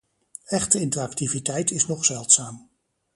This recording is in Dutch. Echte interactiviteit is nog zeldzaam.